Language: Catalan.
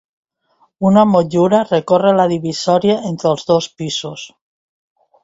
Una motllura recorre la divisòria entre els dos pisos.